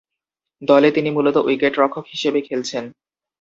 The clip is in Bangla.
দলে তিনি মূলতঃ উইকেট-রক্ষক হিসেবে খেলছেন।